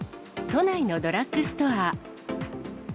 都内のドラッグストア。